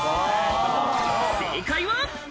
正解は。